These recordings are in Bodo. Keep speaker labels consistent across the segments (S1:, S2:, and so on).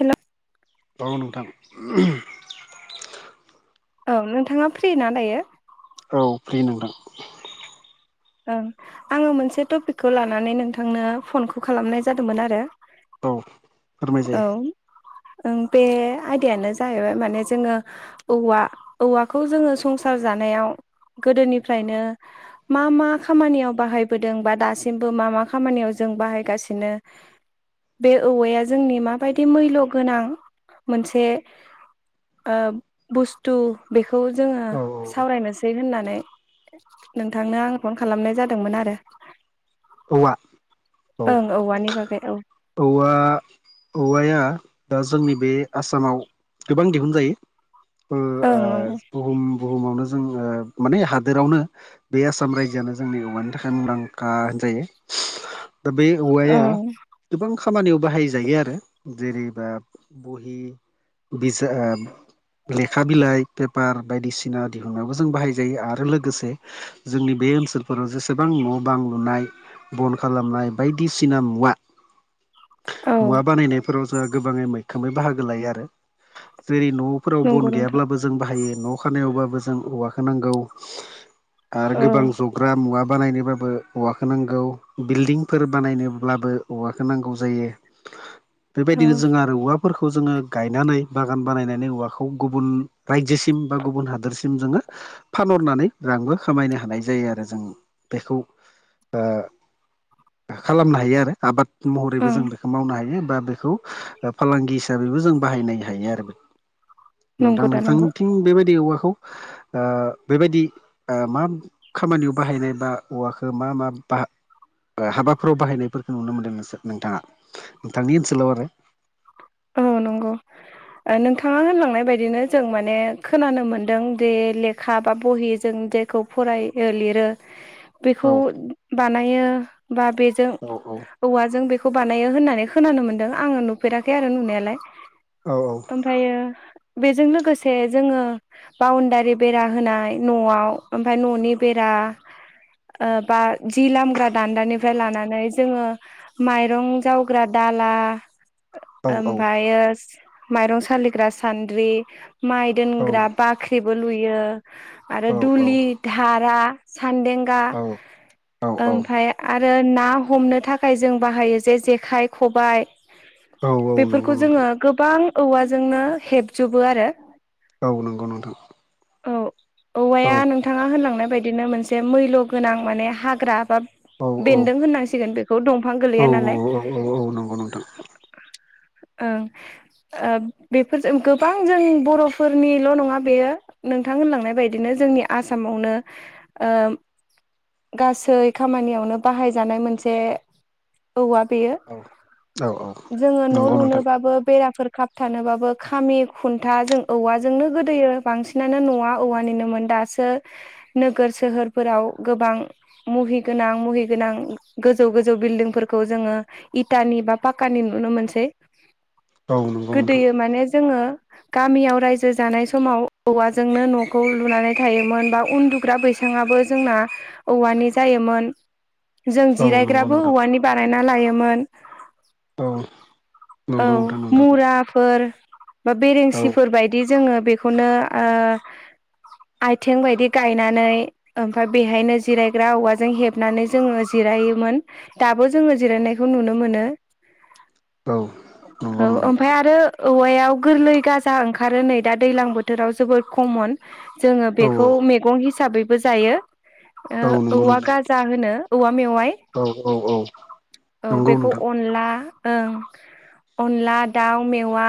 S1: हेलौ
S2: बाव नोंथां
S1: औ नोंथाङा फ्रि ना दायो।
S2: औ फ्रि नोंथां
S1: ओं आङो मोनसे टपिकखौ लानानै नोंथांनो फनखौ खालामनाय जादोंमोन आरो।
S2: औ फोरमाय
S1: औ
S2: जायो।
S1: ओं बे आयदायानो जाहैबाय माने जोङो औवा औवाखौ जोङो संसार जानायाव गोदोनिफ्रायनो मा मा मा खामानियाव बाहायबोदों बा दासिमबो मा मा खामानियाव जों बाहायगासिनो बे औवाया जोंनि माबायदि मैल्य गोनां मोनसे ओ बुस्थु बेखौ जोङो
S2: औ
S1: सावरायनोसै होननानै नोंथांनो आं फन खालामनाय जादोंमोन आरो
S2: औवा औ
S1: ओं औवानि बागै औ
S2: औवा औवाया दा जोंनि बे आसामाव गोबां दिहुनजायो। ओ
S1: ओं
S2: ओ
S1: नंगौ
S2: बुहुम बुहुमावनो जों ओ माने हादोरावनो बे आसाम रायजोआनो जोंनि औवानि थाखाय मुंदांखा होनजायो दा बे औवायाव
S1: ओं
S2: गोबां खामानियाव बाहायजायो आरो जेरैबा बहि बिजा ओं लेखा बिलाइ पेपार बायदिसिना दिहुननायाबो जों बाहायजायो आरो लोगोसे जोंनि बे ओनसोलफोराव जेसेबां न' बां लुनाय बन खालामनाय बायदिसिना मुवा
S1: औ
S2: मुवा बानायनायफोराव जोंहा गोबाङै मैखोमै बाहागो लायो आरो जेरै न' फोराव बन
S1: नंगौ नोंथां
S2: गैयाब्लाबो जों बाहायो न' खानायावब्लाबो जों औवाखौ नांगौ। आरो
S1: औ
S2: गोबां जग्रा मुवा बानायनोब्लाबो औवाखोनांगौ बिल्डिंफोर बानायनोब्लाबो औवाखौ नांगौ जायो
S1: औ
S2: बेबायदिनो जों आरो औवा फोरखौ जोङो गायनानै बागान बानायनानै औवाखौ गुबुन रायजोसिम बा गुबुन हादोरसिम सिम जोङो फानहरनानै रांबो खामायनो हानाय जायो आरो जों बेखौ खालामनो हायो आरो आबाद महरैबो
S1: ओं
S2: जों बेखौ मावनो हायो बा बेखौ फालांगि हिसाबैबो जों बाहायनो हायो आरो बे दा
S1: नंगौ
S2: नोंथां
S1: नंगौ
S2: थिं बेबायदि औवाखौ बेबायदि मा खामानियाव बाहायनाय बा औवाखौ मा मा बाह हाबाफोराव बाहायनायफोरखौ नुनो मोनदों नोंसोर नोंथाङा नोंथांनि ओनसोलाव आरो
S1: औ नंगौ नोंथाङा होनलांनाय बायदिनो जों माने खोनानो मोनदों जे लेखा बा बहिजों जे खौ लिरो बेखौ
S2: औ
S1: बानायो बा बेजों
S2: औ औ
S1: औवाजों बेखौ बानायो होननानै खोनानो मोन्दों आङो नुफेराखै आरो नुनायालाय
S2: औ औ
S1: ओमफ्रायो बेजों लोगोसे जोङो बाउण्डारि बेरा होनाय न'आव ओमफ्राय न'नि बेरा बा जि लामग्रा दान्दानिफ्राय लानानै जोङो माइरं जावग्रा दाला
S2: औ
S1: ओमफ्रायायो माइरं सालिग्रा सान्द्रि माइ
S2: औ
S1: दोनग्रा बाख्रि जेबो लुयो आरो
S2: औ
S1: दुलि धारा सान्देंगा
S2: औ औ
S1: ओमफ्राय आरो ना हमनो थाखाय जों बाहायो जे जेखाइ खबाइ
S2: औ नंगौ
S1: बेफोरखौ जोङो
S2: नोंथां
S1: गोबां औवाजोंनो हेबजोबो आरो।
S2: औ नंगौ नोंथां
S1: औ
S2: औ
S1: औवाया नो बिथथाङा होनलांनाय बायदिनो मोनसे मैल' गोनां माने हाग्रा बा
S2: औ
S1: बेन्दों होननांसिगोन बेखौ दंफां
S2: औ
S1: गोलैया नालाय
S2: औ औ नंगौ नोंथां
S1: औ बेफोरजों गोबां जों बर'फोरनिल' नङा बेयो नोंथां होनलांनाय बायदिनो जोंनि आसामावनो गासै खामानियावनो बाहायजानाय मोनसे औवा बेयो
S2: औ औ औ
S1: जोङो न'
S2: नंगौ नोंथां
S1: लुनोबाबो बेराफोर थानोबाबो खामि खुन्था जों औवाजोंनो गोदो बांसिनानो न'ा औवानिनो मोन दा जोङो नोगोर सोहोरफोराव गोबां मुहिगोनां मुहिगोनां गोजौ गोजौ बिल्डिंफोरखौ जोङो इटानि बा पाक्कानि नुनो मोनसै
S2: औ नंगौ
S1: गोदोयो
S2: नोंथां
S1: माने जोङो गामियाव रायजो जानाय समाव औवाजोंनो न'खौ लुनानै थायोमोन बा उन्दुग्रा बैसां बिथाङाबो जोंना औवानि जायोमोन। जों
S2: औ नंगौ
S1: जिरायग्राबो
S2: नोंथां
S1: औवानि बानायना लायोमोन।
S2: औ
S1: औ
S2: नंगौ नोंथां नंथां
S1: मुराफोर बा
S2: औ
S1: बेरेंसिफोर बायदि बिदि जोङो बेखौनो आथिं बायदि गायनानै ओमफ्राय बेहायनो जिरायग्रा औवाजों हेबनानै जोङो जिरायोमोन। दाबो जोङो जिरायनायखौ नुनो मोनो।
S2: औ नंगौ
S1: औ
S2: नोंथां
S1: ओमफ्राय आरो औवायाव गोरलै गाजा ओंखारो नै दा दैलां बोथोराव जोबोद खमोन। जोङो
S2: औ नंगौ नोंथां औ
S1: बेखौ मैगं हिसाबैबो जायो।
S2: नंगौ
S1: औवा
S2: नोंथां
S1: गाजा होनो औवा मेवाइ
S2: औ औ औ नंगौ
S1: बेखौ
S2: नोंथां
S1: अ नला अनला दाउ मेवा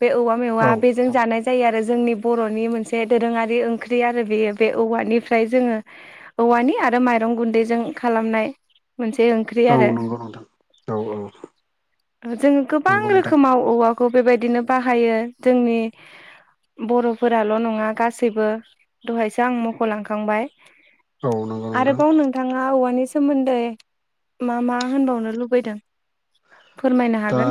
S1: बे औवा
S2: औ
S1: मेवा बे जों जानाय जायो आरो जोंनि बर'नि मोनसे दोरोङारि ओंख्रि आरो बेयो बे औवानिफ्राय जोङो औवानि आरो माइरं गुन्दैजों खालामनाय मोनसे ओंख्रि आरो
S2: औ नोंथां औ औ
S1: जोङो गोबां रोखोमाव औवाखौ बेबायदिनो बाहायो जोंनि। बर'फोराल' नङा गासैबो दहायसो आं मख'लांखांबाय
S2: औ नंगौ नोंथां
S1: आरोबाव नोंथाङा औवानि सोमोन्दै मा मा होनबावनो लुबैदों फोरमायनो
S2: दा
S1: हागोन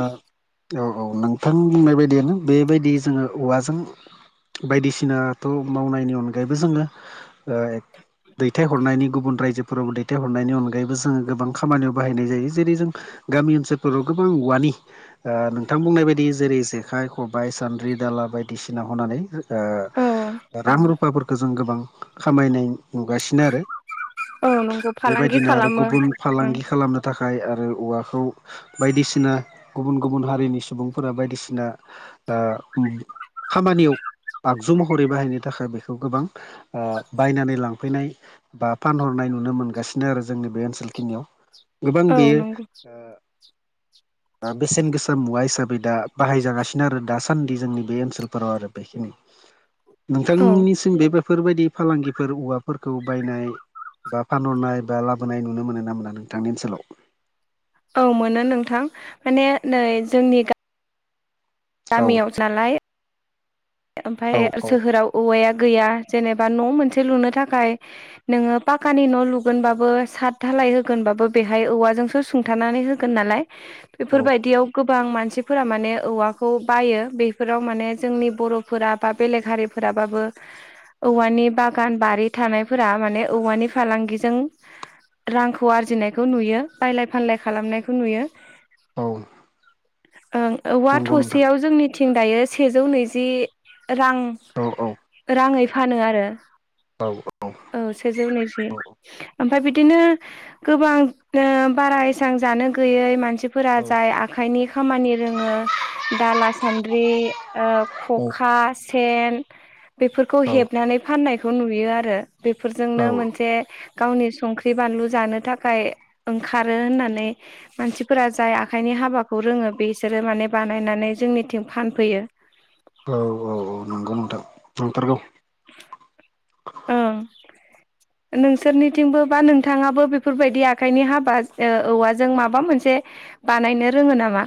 S2: औ औ नोंथां बुंनाय बायदियानो बेबायदि जोङो औवाजों बायदिसिनाथ' मावनायनि अनगायैबो जोङो दैथायहरनायनि गुबुन रायजोफोराव दैथायहरनायनि अनगायैबो जोङो गोबां खामानियाव बाहायनाय जायो जेरै जों गामि ओनसोलफोराव गोबां औवानि नोंथां बुंनाय बायदि जेरै जेखाइ खबाइ सान्द्रि दाला बायदिसिना हनानै
S1: औ
S2: रां रुफाफोरखौ जों गोबां खामायनाय नुगासिनो आरो।
S1: औ नंगौ फालांगि
S2: बेबायदिनो आरो
S1: खालामो
S2: गुबुन
S1: ओं
S2: फालांगि खालामनो थाखाय आरो औवाखौ बायदिसिना गुबुन गुबुन हारिनि सुबुंफोरा बायदिसिना दा खामानियाव आगजु महरै बाहायनो थाखाय बेखौ गोबां बायनानै लांफैनाय बा फानहरनाय नुनो मोनगासिनो आरो जोंनि बे ओनसोल खिनियाव गोबां
S1: औ
S2: बेयो
S1: नंगौ
S2: बेसेन गोसा मुवा हिसाबै दा बाहायजागासिनो आरो दासान्दि जोंनि बे ओनसोलफोराव आरो बेखिनि
S1: [inaudible] औ
S2: नोंथांनिसिम बे बेफोरबायदि फालांगिफोर औवाफोरखौ बायनाय बा फानहरनाय बा लाबोनाय नुनो मोनो ना मोना नोंथांनि ओनसोलाव
S1: औ मोनो नोंथां माने नै जोंनि गा
S2: औ
S1: गामियाव जालाय
S2: औ
S1: ओमफफ्राय
S2: औ
S1: सोहोराव औवाया गैया जेनेबा न' मोनसे लुनो थाखाय नोङो पाखानि न' लुगोनबाबो सात धालाय होगोनबाबो बेहाय औवाजोंसो सुं खिथानानै होगोन नालाय
S2: औ
S1: बेफोरबायदियाव गोबां मानसिफोरा माने औवाखौ बायो बेफोराव माने जोंनि बर' फोर बा बेलेग हारिफोराबाबो औवानि बागान बारि थानायफोरा माने औवानि फालांगिजों रांखौ आरजिनायखौ नुयो बायलाय फानलाय खालामनायखौ नुयो।
S2: औ
S1: ओं औवा
S2: नंगौ नोंथां
S1: थसेयाव जोंनिथिं दायो सेजौ नैजि रां
S2: औ औ।
S1: राङै फानो आरो
S2: औ।
S1: औ सेजौ नैजि ओमफ्राय बिदिनो गोबां बारा एसां जानो गैयै मानसि फोर
S2: औ
S1: जाय आखाइनि खामानि रोङो दाला सान्द्रि‌ओ अखा सेन बेफोरखौ
S2: औ
S1: हेबनानै फाननायखौ नुयो आरो। बेफोरजोंनो
S2: औ औ
S1: मोनसे गावनि संख्रि बानलु जानो थाखाय ओंखारो होननानै मानसिफोरा जाय आखाइनि हाबाखौ रोङो बेसोरो माने बानायनानै जोंनिथिं फानफैयो।
S2: औ औ औ नंगौ नोंथां नंथारगौ।
S1: औ। नोंसोरनिथिंबो बा नोंथाङाबो बेफोरबायदि आखाइनि हाबा औवाजों माबा मोनसे बानायनो रोङो नामा?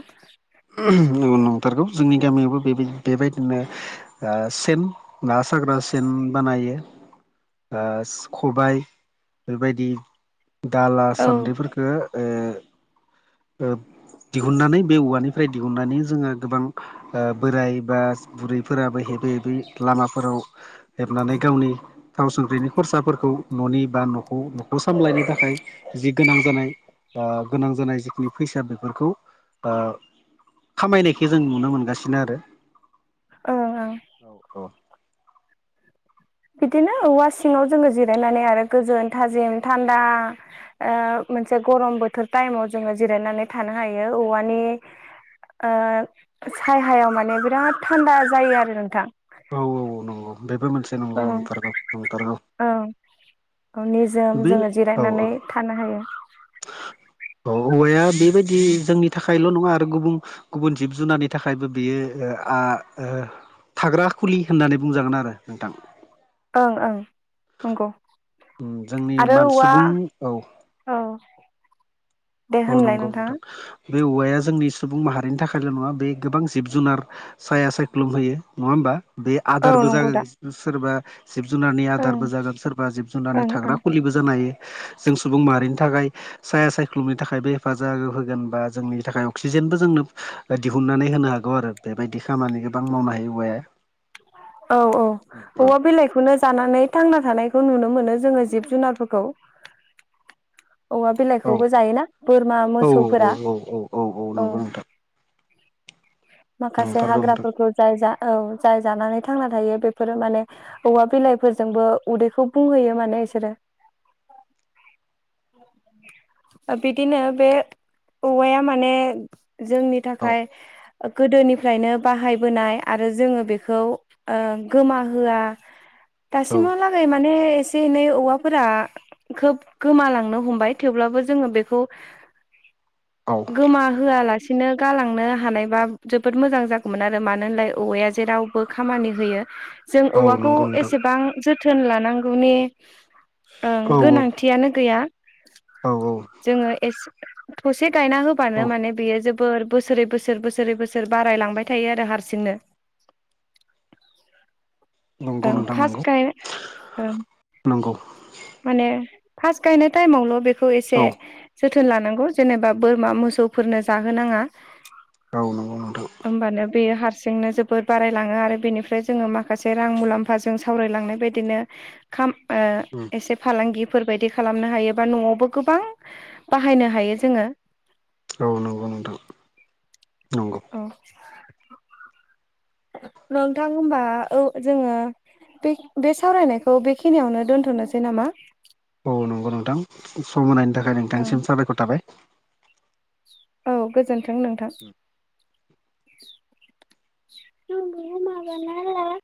S2: न नंथारगौ जोंनि गामियावबो बे बेबायदिनो सेन ना साग्रा सेन बानायो। खबाय बेबायदि दाला
S1: औ ओं
S2: सान्द्रिफोरखौ ओ दिहुननानै बे औवानि राय दिहुननानै जोङो गोबां बोराय बा बुरैफोराबो हेबो हेबोै लामाफोराव हेबनानै गावनि थाव संख्रिनि खरसाफोरखौ न'नि बा न' न'खौ सामलायनो थाखाय जि गोनां जानाय बा गोनां जानाय जिखिनि फैसा बेफोरखौ ओ खामायनायखौ जों नुनो मोनगासिनो आरो।
S1: अ औ।
S2: औ औ।
S1: बिदिनो औवा सिङाव जोङो जिरायनानै आरो गोजोन थाजिम थान्दा मोनसे गरम बोथोर टाइमाव जोङो जिरायनानै थानो हायो औवानि सायहायाव माने बिराद थान्दा जायो आरो नोंथां।
S2: औ औ नंगौ बेबो मोनसे नंगौ
S1: ओं
S2: नंथारगौ नंथारगौ।
S1: औ निजोम
S2: बे
S1: जोङो
S2: औ
S1: जिरायनानै थानो हायो।
S2: औ औवाया बेबायदि जोंनि थाखायल' नङा आरो गुबुन गुबुन जिब जुनारनि थाखायबो बियो थाग्रा खुलि होननानै बुंजागोन आरो नोंथां
S1: ओं ओं नंगौ
S2: जोंनि
S1: आरो
S2: मान
S1: औवा
S2: सुबुं औ
S1: औ दे
S2: औ
S1: होनलाय
S2: नंगौ
S1: नोंथाङा
S2: नोंथां बे औवाया जोंनि सुबुं माहारिनि थाखायल' नङा बे गोबां जिब जुनार साया सायख्लुम होयो नङा होमबा बे
S1: औ
S2: आदारबो
S1: नंगौ दा
S2: जागोन सोरबा जिब जुनारनि
S1: ओं
S2: आदारबो जागोन सोरबा जिब जुनारनि
S1: ओं
S2: थाग्रा
S1: ओं
S2: खुलिबो जानो हायो जों सुबुं माहारिनि थाखाय साया साय लुमनि थाखायबो हेफाजाब होगोन बा जोंनि थाखाय अक्सिजेनबो जोंनो दिहुनन्नानै होनो हागौ आरो बेबायदि खामानि गोबां मावनो हायो औवाया
S1: औ औ औवा बिलाइखौ खौनो जानानै थांना थानायखौ नुनो मोनो जोङो जिब जुनारफोरखौ औवा
S2: औ
S1: बिलाइखौबो जायोना बोरमा
S2: औ
S1: मोसौफोरा
S2: औ
S1: औ
S2: नंगौ नोंथां
S1: माखासे
S2: नंथारगौ नोंथां
S1: हाग्राफोरखौ जाय जा औ जाय जानानै थांना थायो बेफोरो माने औवा बिलाइफोरजोंबो उदैखौ बुंहैयो माने बिसोरो बिदिनो बे औवाया माने जोंनि
S2: औ
S1: थाखाय गोदोनिफ्रायनो बाहायबोनाय आरो जोङो बेखौ खौ गोमाहोआ
S2: औ
S1: दासिमावला माने एसे एनै औवाफोरा खोब गोमालांनो हमबाय थेवब्लाबो जोङो बेखौ
S2: औ
S1: गोमा होआलासेनो गालांनो हानायबा जोबोद मोजां जागौमोन आरो मानो होनलाय औवाया जेराव खामानि होयो जों
S2: औ
S1: औवाखौ
S2: नंगौ नोंथां
S1: एसेबां जोथोन लानांगौनि ओं
S2: औ
S1: गोनांथियानो गैया
S2: औ
S1: जोङो एसे थसे गायना होबानो
S2: औ
S1: माने बेयो जोब बोर बोसोरै बोसोर बोसोरै बोसोर बारायलांबाय थायो आरो हारसिंनो
S2: नंगौ
S1: ओं
S2: नोंथां नंगौ
S1: फार्स्ट गाइ ओं
S2: नंगौ
S1: माने फास्ट गायनाय टाइमावल' बेखौ
S2: औ
S1: एसे जोथोन जोथोन लानांगौ जेनेबा बोरमा मोसौफोरनो जाहोनाङा
S2: औ नंगौ नोंथां
S1: होमबानो बेयो हारसिंनो जोबोद बारायलाङो आरो बेनिफ्राय जोङो माखासे रां मुलामफा फाजों सावरायलांनाय बायदिनो खाम ओ एसे फालांगिफोरबायदि खालामनो हायो बा न'आवबो गोबां बाहायनो हायो जोङो
S2: औ नंगौ नोंथां नंगौ
S1: औ नोंथां होमबा औ जोङो बे बे सावरायनायखौ बेखिनियावनो दोन्थ'नोसै नामा
S2: औ नंगौ नोंथां सम होनायनि थाखाय
S1: ओं
S2: नोंथांसिम साबायखर थाबाय
S1: औ गोजोन्थों नोंथां [inaudible]